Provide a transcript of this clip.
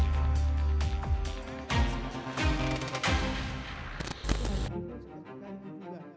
pernah nilai untuk merenung pemberian dalaman suci dandi